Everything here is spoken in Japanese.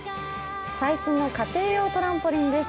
最新の家庭用トランポリンです。